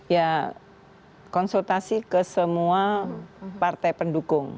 ya konsultasi ke semua partai pendukung